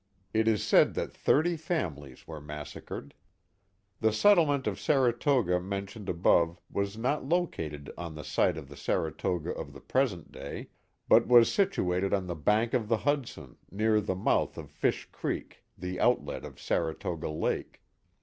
It is said that thirty families were massacred. The settlement of Saratoga mentioned above was not located on the site of the Saratoga of the present day, but was situated on the bank of the Hudson near the mouth of Fish 232 The Mohawk Valley Creek, the outlet of Saratoga Lake.